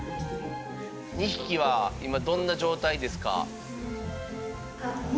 ２匹は今どんな状態ですか？